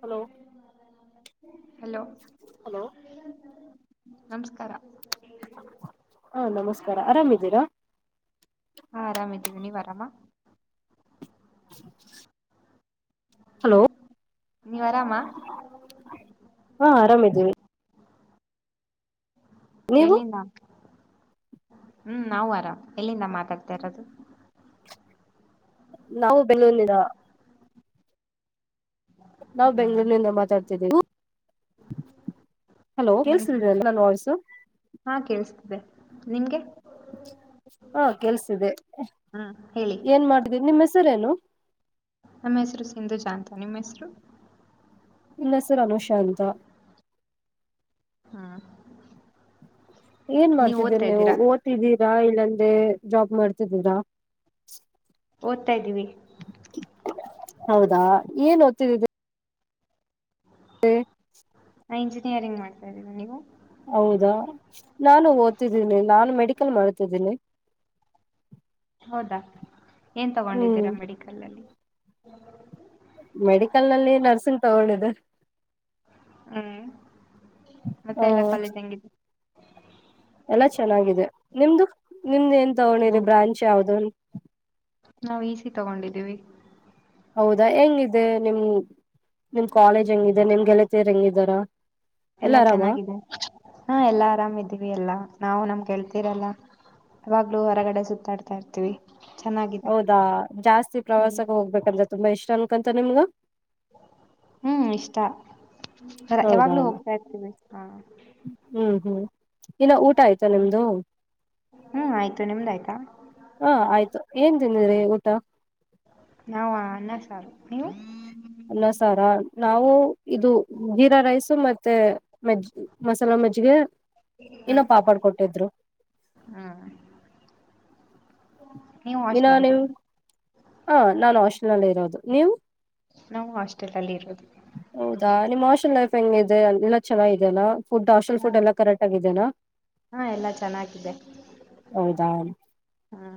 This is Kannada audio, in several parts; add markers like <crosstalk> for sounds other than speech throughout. ಹಲೋ ಹಲೋ ಹಲೋ ನಮಸ್ಕಾರ ಹಾ ನಮಸ್ಕಾರ ಆರಾಮಿದ್ದೀರಾ ದವಿಿನಿ ವರಾಮ ಹ ಹಲೋ ನೀವ್ ಆರಾಮ ಹಾ ಆರಾಮ ಇದೀವಿ ನೀವು ಎಲ್ಲಿಿನ ಹ್ಮ್ ನಾವು ಆರಾಾಮ್ ಎಲ್ಲಿಂದ ಮಾತಾಡ್ತಾ ಇರೋದು ನಾವು ಬೆಲೂನಿದ ನಾವವು ಬೆಂಗಳೂರಿನಿಂದ ಮಾತಾಡ್ತಿದ್ದೇವು ಹಲೋ ನಂಗೆ ಕಳ್ಸಿದ ಎಲ್ಲಾನ ವಾಯ್ಸು ನಿಮಗೆ ಹಾ ಕೆಲ್ಸ ಇದೆ ಹ್ಮ್ ಹೇಳಿ ಏನ್ ಮಾಡ್ತೀವಿ ನಿಮ್ಮ ಸರೇನು ನಮ್ಮ ಹೆಸರು ಸಿಂಧು ಜಾಂತ ನಿಮ್ಮ ಹೆಸರು ನನ್ನ ಹೆಸರು ಅನುಷ ಅಂಥ ಹ್ಮ ಏನ್ ಮಾಡ್ತಿದ್ದೀರಿ ನೀವು ಓದತಿದ್ದೀರಾ ಅಂದ್ರೆ ಜಾಬ್ ಮಾಡ್ತಿದ್ದೀರಾ ಓದ್ತಾ ಇದ್ದೀವಿ ಹೌದಾ ಏನ್ ಓದ್ತಿದ ಹ ನಾ ಇಂಜಿನಿಯರಿಂಗ್ ಮಾಡ್ತಾ ಇದ್ದೀರಿ ನೀವು ಹೌದಾ ನಾನು ಓದ್ತಿದ್ದೀನಿ ನಾನು ಮೆಡಿಕಲ್ ಮಾಡ್ತಿದ್ದೀನಿ <unintelligible> ಹೌದಾ ಏನ್ ಹ್ಮ್ ತಗೊಂಡಿದ್ದೀರಾ ಮೆಡಿಕಲ್ಲ್ಲಿ ಮೆಡಿಕಲ್ ನಲ್ಲಿ ನರ್ಸಿಂಗ್ ತಗೊಂಡಿದೆ ಹ್ಮ್ ಮತ್ತೆ ಎಲ್ಲಾ ಕಾಲೇಜ್ ಹಂಗಿದರು ಎಲ್ಲ ಚೆನ್ನಾಗಿದೆ ನಿಮ್ದು ನಿಮ್ದ ಏನ್ ತಗೊಂಡಿರಿ ಹ್ಮ್ ಬ್ರಾಂಚ್ ಯಾವ್ದ ನಾವು ಈಸಿ ತಗೊಂಡಿದ್ದೀವಿ ಹೌದಾ ಹೆಂಗಿದೆ ನಿಮ ನಿಮ್ ಕಾಲೇಜ್ ಹೆಂಗಿದೆ ನಿಮ್ ಗೆಳತೀರ್ ಹೆಂಗಿದ್ದಾರ ಎಲ್ಲಾ ಚೆನ್ನಾಗಿದೆ ಹಾ ಎಲ್ಲಾ ಆರಾಮಿದ್ದೀವಿ ಎಲ್ಲಾ ನಾವು ನಮ್ ಗೆಳತಿಯರೆಲ್ಲ ಯವಾಗ್ಲು ಹೊರಗಡೆ ಸುತ್ತಾಡ್ತಾ ಇರ್ತಿವಿ ಹೌದಾ ಜಾಸ್ತಿ ಹ್ಮ್ ಪ್ರವಾಸಕ್ಕೆ ಹೋಗ್ಬೇಕಂದ್ರೆ ತುಂಬಾ ಇಷ್ಟ ಅನ್ಕಂತ ನಿಮ್ಗ ಹ್ಮ್ ಇಷ್ಟರ ಹೌದಾ ಯಾವಾಗ್ಲೂ ಹೋಗ್ತಾ ಇರ್ತೀವಿ ಹಾ ಹ್ಮ್ ಹ್ಮ್ ಇನ್ನ ಊಟ ಆಯ್ತಾ ನಿಮ್ದು ಹ್ಮ್ ಆಯ್ತು ನಿಮ್ದ ಆಯ್ತಾ ಹಾ ಆಯ್ತು ಏನ್ ತಿಂದಿದ್ರಿ ಊಟ ನಾವು ಅನ್ನ ಸಾರು ನೀವು ಅಲ್ಲ ಸಾರ ನಾವು ಇದು ಜೀರಾ ರೈಸ್ ಮತ್ತೆ ಮೆಜ್ಜ ಮಸಾಲ ಮೆಜ್ಜಿಗೆಗ ಇನ್ನೋ ಹ್ಮ್ ಪಾಪಾಡ್ ಕೊಟ್ಟಿದ್ರು ಹ್ಮ್ ನೀವು ಹಾಸ್ಟೆಲ್ಅಲ್ಲಿ ಇರ ಹ ನಾನ್ ಹಾಸ್ಟೆಲ್ ನಲ್ಲಿ ಇರೋದು ನೀವು ನಾವು ಹಾಸ್ಟೆಲ್ ಅಲ್ಲಿ ಇರೋದು ಮನ್ ಲೈಫ್ ಹೆಂಗ ಇದೆ ಎಲ್ಲ ಚೆನ್ನ ಇದೆಲ್ಲ ಫುಡ್ ಹಾಸ್ಟೆಲ್ ಹಾ ಫುಡ್ ಎಲ್ಲ ಕರೆಕ್ಟ್ ಆಗಿದೆನಾ ಹಾ ಎಲ್ಲಾ ಚೆನ್ನಾಗಿದೆ ಹೌದಾ ಹಾ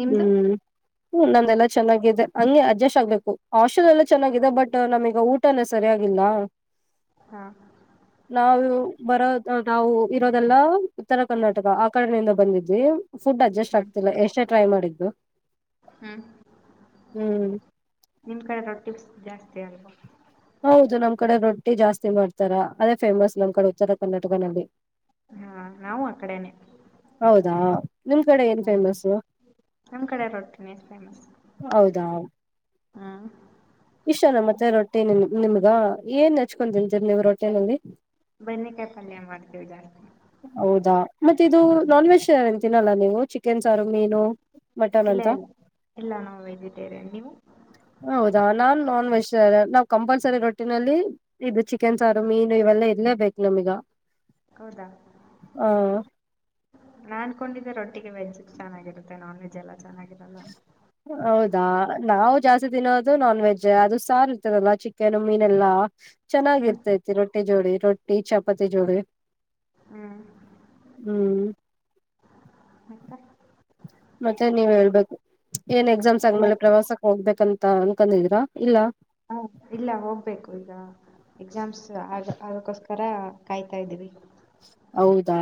ನಿಮ್ದು ಹ್ಮ್ ಹ ನಂದೆಲ್ಲ ಚೆನ್ನಾಗಿದೆ ಹಂಗೆ ಅಡ್ಜಸ್ಟ್ ಆಗ್ಬೇಕು ಹಾಸ್ಟೆಲ್ ಎಲ್ಲ ಚೆನ್ನಾಗಿದೆ ಬಟ್ ನಮೀಗ ಊಟನ ಸರಿಯಾಗಿಲ್ಲ ಹಾ ನಾವು ಬರೋ ನಾವು ಇರೋದೆಲ್ಲ ಉತ್ತರ ಕರ್ನಾಟಕ ಆ ಕಡನಿಂದ ಬಂದಿದ್ವಿ ಫುಡ್ ಅಡ್ಜಸ್ಟ್ ಹ್ಮ್ ಆಗ್ತಿಲ್ಲ ಎಷ್ಟೇ ಟ್ರೈ ಮಾಡಿದ್ದು ಹ್ಮ್ ಹ್ಮ್ ನಿಮ ಕಡೆ ರೊಟಿಪ್ಸ್ ಜಾಸ್ತಿ ಅಲ್ವಾ ಹೌದು ನಮ್ ಕಡೆ ರೊಟ್ಟಿ ಜಾಸ್ತಿ ಮಾಡ್ತಾರ ಅದೇ ಫೇಮಸ್ ನಮ್ ಕಡೆ ಉತ್ತರ ಕರ್ನಾಟಕ ನಲ್ಲಿ ಹಾ ನಾವು ಆ ಕಡೆನೆ ಹೌದಾ ನಿಮ್ ಕಡೆ ಏನ್ ಹ್ಮ ಫೇಮಸ್ ನಮ್ ಕಡೆ ರೊಟ್ಟಿನಿ ಫೇಮಸ್ ಹೌದಾ ನ ಮತ್ತೆ ರೊಟ್ಟಿ ನಿಮ್ಗ ಏನ್ ನಚ್ಕೊತಂತೀರಿ ನೀವು ರೊಟ್ಟಿನಲ್ಲಿ ಬದನೆಕಾಯಿ ಪಲ್ಯ ಮಾಡ್ತೀವಿ ಜಾಸ್ತಿ ಹೌದಾ ಮತ್ತೆ ಇದು ನಾನ್ ವೆಜ್ ತಿನ್ನಲ್ಲ ನೀವು ಚಿಕನ್ ಸಾರು ಮೀನು ಮಟನ್ ಇಲ್ಲ ಅಂತ ಇಲ್ಲ ಇಲ್ಲ ನಾವು ವೆಜಿಟೇರಿಯನ್ ನೀವು ಹೌದಾ ನನ್ ನಾನ್ವೆಜ್ ನಾವ್ ಕಂಪಲ್ಸರಿ ರೊಟ್ಟಿನಲ್ಲಿ ಇದು ಚಿಕನ್ ಸಾರು ಮೀನು ಇವೆಲ್ಲಾ ಇರಲೇ ಬೇಕು ನಮೀಗ ಹೌದಾ ಹ ನಾನ್ಕೊಂಡಿದದ್ದೆ ರೋ ಟ್ಟಿಗೆ ವೆಜ್ ಚೆನ್ನಾಗಿರುತ್ತೆ ನಾನ್ ವೆಜ್ ಎಲ್ಲ ಚೆನ್ನಾಗಿರಲ್ಲ ಹೌದಾ ನಾವು ಜಾಸ್ತಿ ತಿನೋದು ನಾನ್ ವೆಜ್ ಅದು ಸಾರ್ ಇರ್ತದಲ್ಲ ಚಿಕನ್ ಮೀನ್ ಎಲ್ಲಾ ಹ್ಮ್ ಚೆನ್ನಾಗಿರ್ತೈತಿ ರೊಟ್ಟಿ ಜೋಳಿ ರೊಟ್ಟಿ ಚಪಾತಿ ಜೋಳಿ ಹ್ಮ್ ಹ್ಮ್ ಮತ್ತೆ ಮತ್ತೆ ನೀವ್ ಹೇಳ್ಬೇಕು ಏನ್ ಎಕ್ಸಾಮ್ಸ್ ಎಲ್ಲ ಆದ್ಮೇಲೆ ಪ್ರವಾಸಕ್ ಹೋಗ್ಬೇಕಂತ ಅನ್ಕಂಡಿದೀರಾ ಇಲ್ಲ ಹಾ ಇಲ್ಲ ಹೋಗ್ಬೇಕು ಈಗ ಎಕ್ಸಾಮ್ಸ್ ಆಗ ಅದಕ್ಕೋಸ್ಕರ ಕಾಯ್ತಾ ಇದ್ದೀವಿ ಹೌದಾ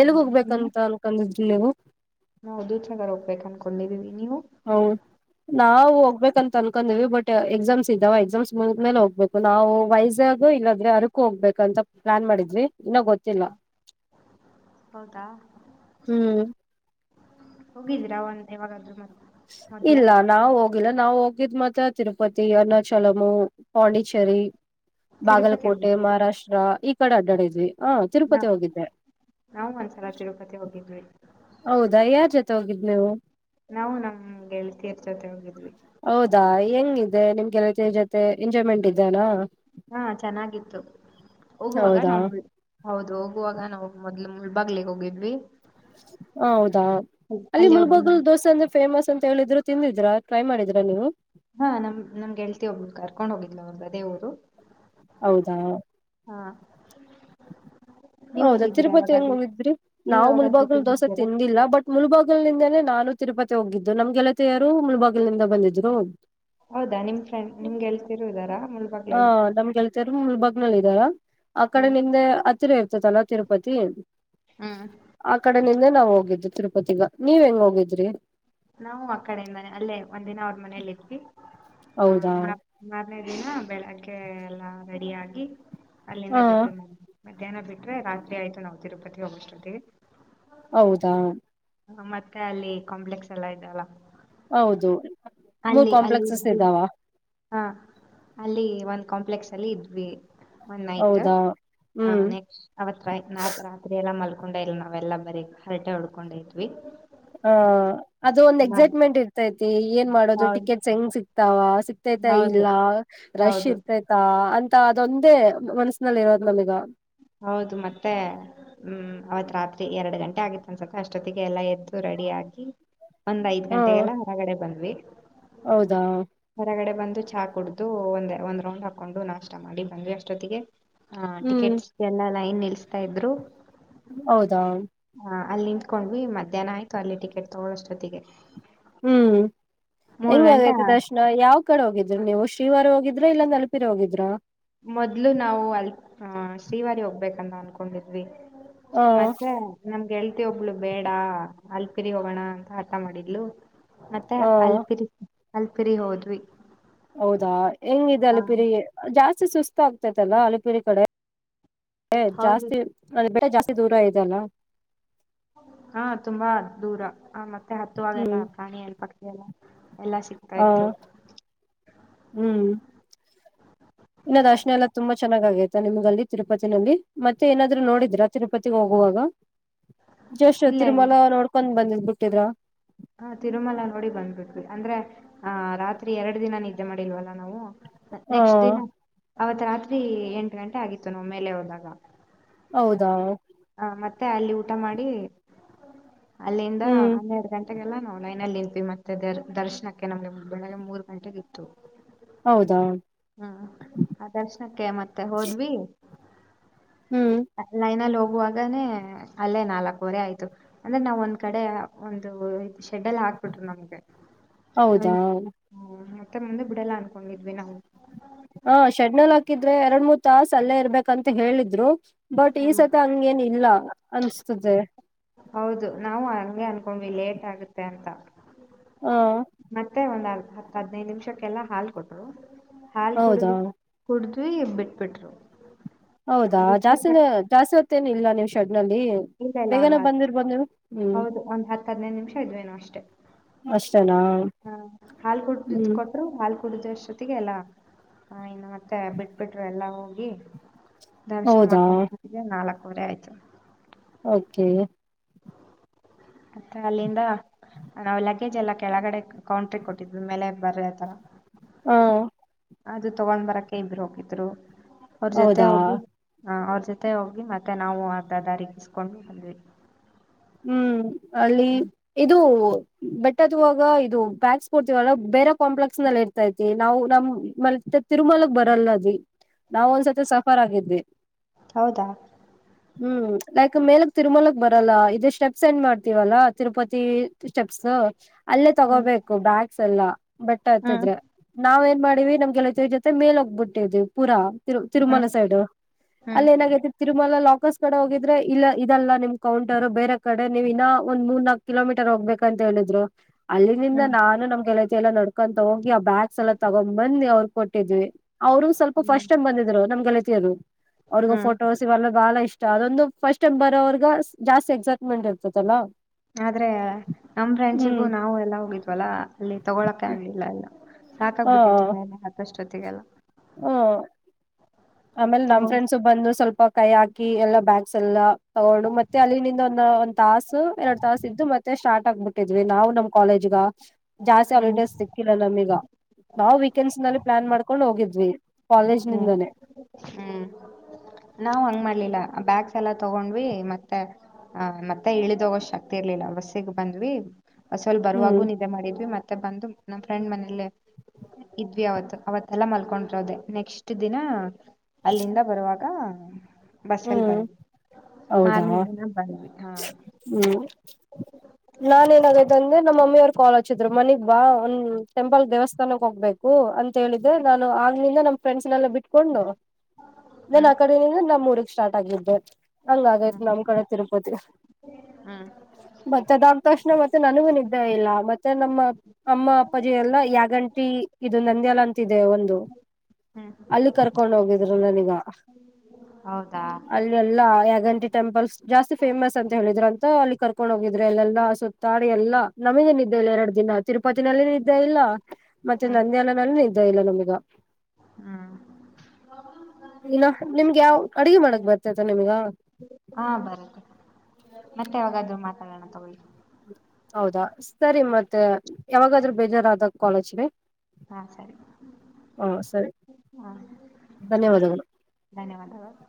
ಎಲ್ಗ ಹ್ಮ್ ನೀವು ಹೋಗ್ಬೇಕಂತ ಅನ್ಕೊಂಡಿದ್ರಿ ನೀವು ನಾವು ದೂ ಚಗ ಹೋಗ್ಬೇಕು ಅನ್ಕೊಂಡಿದ್ದೀವಿ ನೀವು ಹೌದು ನಾವವು ಹೋಗ್ಬೇಕ ಅಂತ ಅನ್ಕೊಂಡೀವಿ ಬಟ್ ಎಕ್ಸಾಮ್ಸ್ ಇದ್ದಾವ ಎಕ್ಸಾಮ್ಸ್ ಮುಂದ್ಮೇಲೆ ಹೋಗ್ಬೇಕು ನಾವು ವಯಸ್ ಇಲ್ಲದ್ರೆ ಅರಕು ಹೋಗ್ಬೇಕಂತ ಪ್ಲಾನ್ ಮಾಡಿದ್ವಿ ಇನ್ನೊ ಗೊತ್ತಿಲ್ಲ ಹೌದಾ ಹ್ಮ್ ಹೋಗಿದ್ದೀರಾ ಒಂದ ಯಾವಾಗಾದ್ೂ ಮತ್ತೆ ಇಲ್ಲ ನಾವ ಹೋಗಿಲ್ಲ ನಾವವು ಹೋಗಿದ್ ಮಾತ್ರ ತಿರುಪತಿ ಅರುಣಾಚಲಮು ಪಾಂಡಿಚೇರಿ ತಿರುಪತಿ ಬಾಗಲಕೋಟೆ ಹೋಗಿದ್ರಾ ಮಹಾರಾಷ್ಟ್ರ ಈ ಕಡೆ ಅಡ್ಡಾಡಿದ್ವಿ ಹ ನಾ ತಿರುಪತಿ ಹೋಗಿದ್ದೆ ನಾವು ಒಂದ್ಸಲ ತಿರುಪತಿ ಹೋಗಿದ್ವಿ ಹೌದಾ ಯಾರ್ ಜೊತೆ ಹೋಗಿದ್ಿ ನೀವು ನಾವು ನಂಮ್ಗೆಳತಿಯರ ಜೊತೆ ಹೋಗಿದ್ವಿ ನಿಮ್ಗೆಲ್ಲ ಜೊತೆ ಎಂಜಾಯ್ಮೆಂಟ್ ಇದ್ದಾನ ಹಾ ಚೆನ್ನಾಗಿತ್ತು ಹೋಗುವಾಗ ಹೌದಾ ನಾವು ಹೌದು ಹೋಗುವಾಗ ನಾವುದ ಆಗ್ಲ ಮುಳ್ಬಾಗ್ಲಗ್ ಹೋಗಿದ್ವಿ ಹ ಹೌದಾ ಅಲ್ಲಿ ಮುಲ್ಬಗಲ್ ದೋಸೆ ಅಂದ್ರೆ ಫೇಮಸ್ ಅಂತ ಹೇಳಿದ್ರು ತಿಂದಿದ್ರಾ ಟ್ರೈ ಮಾಡಿದ್ರಾ ನೀವು ಹಾ ನಮ್ ನಮ್ಗೆೇಳ್ತತಿವಿ ಒಬ್ಬಳು ಕರ್ಕೊಂಡ್ ಹೋಗಿದ್ವ ಅವ್ರಗ ದೇವ್ರು ಹೌದಾ ನೀವ್ ಹೌದಾ ಹೋಗಿದ್ದೀರಾ ತಿರುಪತಿ ಹೆಂಗ ಯಾವಾಗಾದ್ರೂ ಮುಂದಿದ್ರಿ ನೀವ್ ನಾವು ಯಾವಾಗಾದ್ರೂ ಮುಲ್ಬಾಗಲ್ ದೋಸೆ ಹೋಗಿದ್ದೀರಾ ತಿಂದಿಲ್ಲ ಬಟ್ ಮುಲ್ಬಾಗಲ್ ನಿಿಂದನೇ ನಾನು ತಿರುಪತಿ ಹೋಗಿದ್ದು ನಮ್ಗೆಳತಿಯರು ಮುಳಬಾಗಿಲಿಂದ ಬಂದಿದ್ರು ಹೌದಾ ನಿಮ್ ಫ್ರೆಂಡ್ ನಿಮ್ಗೆಲ್ತಿರುವುದರಾ ಮುಳಾಗ ಹ ನಮ್ಗೆ ಕೆಲ್ತರು ಮುಲ್ಬಗ್ನಲ್ಲಿ ಇದ್ದಾರ ಆ ಕಡೆ ಹ್ಮ್ ನಿಮ್ದೆ ಅತ್ತಿರ ಇರ್ ಇಲ್ಲ ತಿರುಪತಿ ಹ್ಮ್. ಆ ಕಡೆ ನಿಂದೇ ನಾವು ಹೋಗಿದ್ವಿ ತಿರುಪತಿಗ ನೀವ್ ಹೆಂಗ ಹೋಗಿದ್ರಿ ನಾವು ಆ ಕಡೆಯಿಂದ ಮನೆ ಅಲ್ಲೇ ಒಂದಿನ ಅವ್ರ ಮನೇೆಯಲ್ಲಿ ಇರ್ತಿವಿ ಹ ಹೌದಾ ಮ ಮಾರ್ನೇ ದಿನ ಬೆಳಗ್ಗೆ ಎಲ್ಲಾ ರೆಡಿ ಆಗಿ ಹ ಅಲ್ಲಿಂದ ಬಿಟ್ವಿ ಮ ಮಧ್ಯಾಹ್ನ ಬಿಟ್ರೆ ರಾತ್ರಿ ಆಯ್ತು ನಾವವು ತಿರುಪತಿ ಹೋಗಷ್ಟೊತ್ತಿಗೆ ಹೌದಾ ಹ ಮತ್ತೆ ಅಲ್ಲಿ ಕಾಂಪ್ಲೆಕ್ಸ್ ಎಲ್ಲ ಇದ್ದಲ್ಲ ಹೌದು ಮೂರ್ ಕಾಂಪ್ಲೆಕ್ಸಸ್ ಇದ್ವಿ ಇದಾವ ಹಾ ಅಲ್ಲಿ ಒಂದ್ ಕಾಂಪ್ಲೆಕ್ಸ್ ಅಲ್ಲಿ ಇದ್ವಿ ಒಂದ ನೈಟ್ ಹೌದಾ ಆ ಹ್ಮ್ ನೆಕ್ಸ್ಟ್ ಅವತ್ರ ನಾತ್ ರಾತ್ರಿ ಎಲ್ಲ ಮಲ್ ಕೊಂಡ ಇಲ್ಲ ನಾವೆಲ್ಲ ಬರೀ ಹರಟೆ ಉಡ್ಕೊಂಡೈತ್್ವಿ ಹ ಅದು ಒಂದ್ ಎಕ್ಸೈಟ್ಮೆಂಟ್ ಇರ್ತೈತಿ ಏನ್ ಮಾಡೋದು ಹೌದ್ ಟಿಕೆಟ್ಸ್ ಹೆಂಗ್ ಸಿಕ್ತಾವ ಸಿಗ್ತೇತ ಇಲ್ಲ ಹೌದು ರಶ್ ಹೌದು. ಇರ್ತೈತ ಅಂತ ತ ಅದೊಂದೇ ಮನಸ್ಸಿನಲ್ಲಿ ಇರೋದು ನಮಗ ಹೌದು ಮತ್ತೆ ಹ್ಮ್ ಅವತ್ ರಾತ್ರಿ ಎರಡು ಗಂಟೆ ಆಗಿತ್ತ ಅನ್ಸತ ಅಷ್ಟೊತ್ತಿಗೆ ಎಲ್ಲ ಎದ್ದು ರೆಡಿ ಆಗಿ ಒಂದ್ ಐದ್ ಹಾ ಗಂಟೆಗೆಲ್ಲ ಹೊರಗಡೆ ಬಂದ್ವಿ ಹೌದಾ ಕೆಳಗಡೆ ಬಂದು ಚಾ ಕುಡಿದು ಒಂದ್ ಒಂದ್ ರೌಂಡ್ ಹಾಕೊಂಡು ನಾಷ್ಟ ಮಾಡಿ ಬಂದ್ವಿ ಅಷ್ಟೊತ್ತಿಗೆ ಹಾ ಹ್ಮ್ ಟಿಕೆಟ್ಸ್ಗೆಲ್ಲಾ ಲೈನ್ ನಿಲ್ಸ್ತಾ ಇದ್ರು ಹೌದಾ ಹ ಅಲ್ಲಿ ನಿಂತ್ಕೊಂಡು ಭವಿ ಮಧ್ಯಾಹ್ನ ಆಯಿತು ಅಲ್ಲಿ ಟಿಕೆಟ್ ತೊಗೊಳ್ಳೋಷ್ಟೊತ್ತಿಗೆ ಹ್ಮ್ ಗಂಟೆ ಹೆಂಗಾಗೈತಿ ದರ್ಶನ ಯಾವ್ ಕಡೆ ಹೋಗಿದ್ರರಿ ನೀವು ಶ್ರೀವಾರ ಹೋಗಿದಿ ಇದ್ರ ಇದ ನಲುಪೀರಿ ಹೋಗಿದ್ರಾ ಮೊದ್ಲು ನಾವು ಅಲ್ ಶ್ರೀವಾರಿ ಹೋಗ್ಬೇಕಂತ ಅನ್ಕೊಂಡಿದ್ವಿ ಹ ಮತ್ತೆ ನಮ ಳ್ತಿ ಒಬ್ಳು ಬೇಡ ಅಲ್ಪಿರಿ ಹೋಗೋಣ ಅಂತ ಆರ್ಥ ಮಾಡ್ಲು ಮತ್ತೆ ಹ ಅಲ್ಪಿರಿ ಅಲ್ಪಿರಿ ಹೋದ್ವಿ ಹೌದಾ ಹೆಂಗಿದೆ ಹ ಅಲಿಪಿರಿ ಜಾಸ್ತಿ ಸುಸ್ತು ಆಗ್ತೇತಲ್ಲ ಅಲಪಿರಿ ಕಡೆ ಹೌದು ಜಾಸ್ತಿ ಅ ಬೆ ಜಾಸ್ತಿ ದೂರ ಇದೆಲ್ಲ ಹಾ ತುಂಬಾ ದೂರ ಆ ಮತ್ತೆ ಹತ್ತುವಾಗೆಲ್ಲ ಪ್ರಾಣಿ ಎಲ್ ಪಕ್ಕಿ ಎಲ್ಲ ಎಲ್ಲಾ ಸಿಗ್ತಾ ಹಾ ಇತ್ತು ಹ್ಮ್ ಇನ್ನಾದ್ರ್ಶನೆ ಎಲ್ಲ ತುಂಬಾ ಚೆನ್ನಾಗ ಆಗೈತಾ ನಿಮ್ಗ ಅಲ್ಲಿ ತಿರುಪತಿನಲ್ಲಿ ಮತ್ತೆ ಏನಾದ್ರು ನೋಡಿದೀರಾ ತಿರುಪತಿಗೆ ಹೋಗುವಾಗ ಜಸ್ ಇಲ್ಲ ಇಲ್ಲ ತಿರುಮಲ ನೋಡ್ಕೊಂಡ್ ಬಂದಿದ್ ಬಿಟ್ಟಿದ್ರ ಹ ತಿರುಮಲ ನೋಡಿ ಬಂದ್ಬಿಟ್ವಿ ಅಂದ್ರೆ ಆ ರಾತ್ರಿ ಎರಡು ದಿನ ನಿದ್ದೆ ಮಾಡಿಲ್ವಲ್ಲ ನಾವು ಹ ನೆಕ್ಸ್ದಿನ ಅವತ್ ರಾತ್ರಿ ಎಂಟು ಗಂಟೆ ಆಗಿತ್ತು ನ ಮೇಲೆ ಹೋದಾಗ ಹೌದಾ ಹ ಮತ್ತೆ ಅಲ್ಲಿ ಊಟ ಮಾಡಿ ಅಲ್ಲಿಂದ ಹ್ಮ್ ಹನ್ನೆರಡು ಗಂಟೆ ಲ್ಲ ನಾವುನ್ ಲೈನಲ್ಲಿ ನಿಂತಪಿ ಮತ್ತೆ ದ ದರ್ಶನಕ್ಕೆ ನಮಗೆ ಬೆಳಗ್ಗೆ ಮೂರು ಗಂಟೆೆಗೆತ್ತು ಹೌದಾ ಹ್ಮ್ ಆ ದರ್ಶನಕ್ಕೆ ಮತ್ತೆ ಹೋದ್ವಿ ಹ್ಮ್ ಲೈನಲ್ ಹೋಗ್ ಹಾಗನೇ ಅಲ್ಲೇ ನಾಲ್ಕುವರೆ ಆಯ್ತು ಅಂದ್ರೆ ನಾವ್ ಒಂದ್ ಕಡೆ ಒಂದು ಶೆಡೆಲ್ಲ ಹಾಕ್ಬಿಟರು ನಮ್ಗೆ ಹೌದಾ ಮತ್ತೆ ಮುಂದೆ ಬಿಡಲ್ಲ ಅನ್ಕೊಂಡಿದ್ವಿ ನಾವು ಹ ಶೆಡ್ನಲ್ ಹಾಕಿದ್ರೆ ಎರಡ್ ಮೂರ್ ತಾಸ ಅಲ್ಲೇ ಇರ್ಬೇಕಂತ ಹೇಳಿದ್ರು ಬಟ್ ಈ ಹ್ಮ ಸತಿ ಹಂಗೇನ್ ಇಲ್ಲ ಅನ್ಸ್ತದೆ ಹೌದು ನಾವು ಹಗೆ ಅನ್ಕೊಂಡ್ವಿ ಲೇಟ್ ಆಗುತ್ತೆ ಅಂತ ಹ ಮತ್ತೆ ಒಂದ್ ಹತ್ ಹದ್ನೈದು ನಿಮಿಷಕ್ಕೆಲ್ಲಾ ಹಾಲ್ ಕೊಟ್ರು ಹಾಲ್ ಹೌದಾ ಕುಡುದು ಕುಡಿದ್ವಿ ಬಿಟ್ ಬಿಟ್ರು ಹೌದಾ ಜಾಸ್ತಿನ ಜಾಸ್ತಿ ಹೊತ್ತೇನು ಇಲ್ಲ ನಿವ್ ಶೆಡ್ ನಲ್ಲಿ ಇಲ್ಲ ಇಲ್ಲ ಬೇಗನೆ ಒಂದ್ ಬಂದಿರ್ಬೋದ್ ನೀವು ಹ್ಮ್ ಹೌದು ಒಂದ್ ಹತ್ತು ಹದ್ನೈದು ನಿಮಿಷ ಇದ್ವೇನು ಅಷ್ಟೇ ಅಷ್ಟೇನಾ ಹಾ ಹಾಲು ಕುಡ ಹ್ಮ್ ಕೊಟ್ಟರು ಹಾಲು ಕುಡುದು ಅಷ್ಟ ಜೊತೆಗೆ ಎಲ್ಲ ಹ ಇನ್ನು ಮತ್ತೆ ಬಿಟ್ ಬಿಟ್ರು ಎಲ್ಲಾ ಹೋಗಿ ದರ್ಶನ ಹೌದಾ ಮಾಡ್ಕೊಂಡ ಬರೋವರೆಗೆ ನಾಲ್ಕವರೆ ಆಯ್ತು. ಓಕೆ. ಮತ್ತೆ ಅಲ್ಲಿಂದ ನಾವೆಲ್ಲ. ಪಕೇಜ್ ಎಲ್ಲ ಕೆಳಗಡೆ ಕೌಂಟ್ರ ಕೊಟ್ಟಿದ್ವಿ ಮೇಲೆ ಬರ್ರೆ ತರ. ಹ್ಮ ಅದು ತಗೊಂಡ್ ಬರಕ್ಕೆ ಇಬರು ಹೋಗಿದ್ರು ಅವ್ರ ಜೊತೆ ಹೌದಾ ಹೋಗಿ ಹ ಅವ್ರ ಜೊತೆ ಹೋಗಿ ಮತ್ತೆ ನಾವು ಅರ್ಧ ದಾರಗಿಸಕೊಂಡು ಬಂದವಿ ಹ್ಮ್ ಅಲ್ಲಿ ಇದು ಬೇ ಟ್ಟಗ ಇದು ಬ್ಯಾಗ್ಸ್ ಕೊಡ್ತೀವಲ್ಲ ಬೇರೆ ಕಾಂಪ್ಲೆಕ್ಸ್ ನಲ್ಲಿ ಇರ್ತೈತಿ ನಾವು ನಮ್ಮ್ ತಿಮಲ ಬರಲ್ಲ ನಾವ ಒಂದ್ಸತಿ ಸಫರ್ ಆಗಿದ್ವಿ ಹೌದಾ ಹ್ಮ್ ಲೈಕ್ ಮೇಲಕ್ ತಿರುಮಲಕ್ ಬರಲ್ಲ ಇದೆ ಸ್ಟೆಪ್ಸ್ ಏನ್ ಮಾಡ್ತೀವಲ್ಲ ತಿರುಪತಿ ಸ್ಟೆಪ್ಸ್ ಅಲ್ಲೇ ಹ್ಞೂ ತಗೋಬೇಕು ಬ್ಯಾಕ್ ಎಲ್ಲಾ ಬೆಟ್ಟ ಹ್ಞೂ ಆಯ್ತಿದ್ರೆ ನಾವ್ ಏನ್ ಮಾಡಿವವಿ ನಮ್ಗೆಲತಿ ಜೊತೆ ಮೇಲ್ಗ್ಬಿಟ್ಟಿದ್ವಿ ಪೂರಾ ತಿರುಮಲ ಸೈಡ್ ಅಲ್ಲಿ ಹ್ಞೂ ಏನಾಗೈ ತಿರುಮಲ ಲಾ. ಫಕಸ್ ಕಡೆ ಹೋಗಿದ್ರೆ ಇಲ್ಲ ಇ ಇದಲ್ಲ ನಿಮ್ ಕೌಂಟರ್ ಬೇರೆ. ಕಡೆ ನೀವ್ ಇನ್ನ ಒಂದ್ ಮೂರ್ ನಾಕ್ ಕಿಲೋಮೀಟರ್ ಹೋಗ್ಬೇಕ ಅಂತ ಹೇಳಿದ್ರು ಅಲ್ಲಿನಂದ ಹ್ಞೂ ಹ್ಞೂ ನಾನು ನಮ್ ಗೆಳತಿ. ಎಲ್ಲ ನಡ್ಕೊಂತ ಹೋಗಿ ಆ ಬ್ಯಾಗ್ಸ್ ಎಲ್ಲ ತೊಗೊಂಡು ಬಂದ ಅವ್ರಿಗ್ ಕೊಟ್ಟಿದ್ವಿ. ಅವರು ಸ್ವಲ್ಪ ಹ್ಞೂ ಫಸ್ಟ್ ಟೈಮ್ ಬಂದಿದ್ರು ನಮ್ ಗೆಲಿತಿಯರು ಅವ್ರಗ ಹ್ಞೂ ಫೋಟೋಸ್ ಇವಲ್ಲ ಬಾಳ. ಇಷ್ಟ ಅದೊಂದು ಫಸ್ಟ್ ಟೈಮ್ ಬರೋವರ್ಗ ಜಾಸ್ತಿ ಎಕ್ಸೈಟ್ಮೆಂಟ್ ಇರ್ತದಲ್ಲಾ. ಆದ್ರೆ ನಮ್ ಫ್ರೆಂಡ್ಸಿಗೂ ನಾವು ಎಲ್ಲ ಹೋಗಿದ್ವಲ್ಲಾ ಅಲ್ಲಿ ತೊಗೊಳಕೆ ಆಗ್ಲಿಲ್ಲ ಎಲ್ಲ. ಸಾಕಾಗಬಿಟ್ಟಿತ ತುಂಬ ಅಕಷ್ಟೊತ್ತಿಗೆಲ್ಲ. ಹ್ಮ. ಆಮೇಲೆ ನಮ್ ತಗೊಂಡ್ ಫ್ರೆಂಡ್ಸ್ ಬಂದು ಸ್ವಲ್ಪ ಕೈ ಹಾಕಿ ಎಲ್ಲಾ ಬ್ಯಾಗ್ಸ್ ಎಲ್ಲಾ ತಗೊಂಡು ಮತ್ತೆ ಅಲ್ಲಿನಂದ. ತಾಸು ಎರಡ್ ತಾಸ ಇದ್ದು ಮತ್ತೆ ಸ್ಟಾರ್ಟ್ ಆಗ್ಬಿಟ್ಟಿದ್ವಿ ನಾವು ನಮ್ ಕಾಲೇಜ್ದಾ. ಜಾಸ್ತಿ ಹ್ಮ್ ಹಾಲಿಡೇಸ್ ಸಿಕ್ಕಿಲ್ಲ ನಮೀಗ ನಾವು ವೀಕೆಂಡ್ಸ್ ನಲ್ಲಿ ಪ್ಲಾನ್ ಮಾಡ್ಕೊಂಡ್ ಹೋಗಿದ್ವಿ. ಕಾಲೇಜ್ ಹ್ಮ್ ನಿಂದಾನೇ ಹ್ಮ್ ನಾವ್ ಹಂಗ ಮಾಡ್ಲಿಲ್ಲ. ಬ್ಯಾಗ್ಸ್ ಎಲ್ಲ ತಗೊಂಡ್ವಿ ಮತ್ತೆ ಆ ಮತ್ತೆ ಇಳಿದೋಗೋ ಶಕ್ತಿ ಇರ್ಲಿಲ್ಲ ಬಸ್ಸಿಗೆ ಬಂದ್ವಿ. ಬಸ್ಅಲ್ಲೂ ಹ್ಮ್ ಬರುವಾಗೂ ನಿದ್ದೆ ಮಾಡಿದ್ವಿ ಮತ್ತೆ. ಮತ್ತೆ ಬಂದು ನಮ್ಮ್ ಫ್ರೆಂಡ್ ಮನೇಲ್ಲ ಇದ್ವಿ ಅವತ್ ಅವತ್ತೆಲ್ಲಾ ಮಲ್ಕೊಂಡ್ರ ಅದೇ. ನೆಕ್ಸ್ಟ್ ದಿನ ಅಲ್ಲಿಂದ ಬರುವಾಗ. ಬಸ ಅಲ್ಲಿ ಹ್ಮ್ ಬಂದ್ವಿ ಹೌದಾ ಮಾರ್ನೆದಿನ ಬಂದ್ವಿ ಹಾ. ಹ್ಮ್ ನಾನ್ ಏನಾಗೈತ ಅಂದ್ರೆ ನಮ್ಮ ಮಮ್ಮಿಯವರು ಕಾಲ್ ಹಚ್ಚಿದ್ರು ಮನಿಗ್ ಬಾ ಒಂದ್ ಟೆಂಪಲ್ ದೇವಸ್ಥಾನಕ್ ಹೋಗ್ಬೇಕು. ಹೂಂ ಅಂತ ಹೇಳಿದ್ದೆ ನಾನು ಆಗ್ಲಿಂದ ನಮ್ಮ ಫ್ರೆಂಡ್ಸ್ನೆಲ್ಲ ಬಿಟ್ಟ. ಕೊಂಡು ನನ್ ಆ ಹ್ಮ್ ಕಡೆಯಿಂದ ನಮ್ಮ್ ಮೂರ್ಗ್ ಸ್ಟಾರ್ಟ್ ಆಗಿದ್ದ. ಹಂಗ ಆಗೈತ್ ಹ್ಮ್ ನಮ್ ಕಡೆ ತಿರುಪತಿ ಹ್ಮ್ ಮತ್ತೆ ಅದ ಆಗ್ತ ಅಷ್ಟ. ಮತ್ತೆ ನನಗೂ ನಿದ್ದೆ ಇಲ್ಲ ಮತ್ತೆ ನಮ್ಮ ಅಮ್ಮ ಅಪ್ಪ ಜಿ ಎಲ್ಲ ಯಾಗಂಟಿ ಇದು ನಂದಿ ಎಲ್ಲ. ಅಂತಿದೆ ಒಂದು ಹ್ಮ್ ಅಲ್ಲಿ ಕರ್ಕೊಂಡ್ ಹೋಗಿದ್ರು ನನೀಗ. ಹೌದಾ ಅಲ್ಲೆಯೆಲ್ಲಾ. ಗಲ್ಗಂಟಿ ಟೆಂಪಲ್ಸ್ ಜಾಸ್ತಿ ಫೇಮಸ್ ಅಂತ ಹೇಳಿದ್ರ ಅಂತ ಅಲ್ಲಿ ಕರ್ಕೊಂಡ್ ಹೋಗಿದ್ರರು ಎಲ್ಲೆಲ್ಲಾ ಸುತ್ತಾಡಿ ಎಲ್ಲಾ. ನಮಗೆ ನಿದ್ದೆ ಇಲ್ಲ ಎರಡು ದಿನ ಆತ. ತಿರುಪತಿನಲ್ಲಿ ನೀದ್ದೇ ಇಲ್ಲ ಮತ್ತೆ ನಂದ್ಯಾಲನಲ್ಲಿ ನೀದ್ದೇ ಇಲ್ಲ ನಮಿಗ. ಹ್ಮ್. ಇನ್ನ ನಿಮ್ಗೆ ಯಾವ ಅಡಿಗೆ <inaudible> ಹಾ ಬರತ್ತ ಮತ್ತೆ ಯಾವಾಗದ್ರೂ ಮಾತಾಡೋಣ ತಗೊಳ್ಳಿ. ಹೌದಾ ಸರಿ ಮತ್ತೆ ಯಾವಾಗಾದ್ರೂ ಬೇಜಾರಾದ ಕಾಲ ಹಚ್ಚ್ರಿ. ಹಾ ಸರಿ ಸರಿ ಹಾ. ಧನ್ಯವಾದಗಳು. ಧನ್ಯವಾದಗಳು.